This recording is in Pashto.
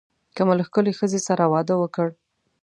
که مو له ښکلې ښځې سره واده وکړ.